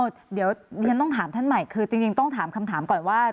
สินค้าต้องถามคำถามก่อน